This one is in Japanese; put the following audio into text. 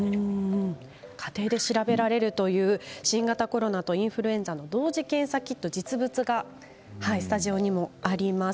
家庭で調べられるという新型コロナとインフルエンザの同時検査キット、実物がスタジオにもあります。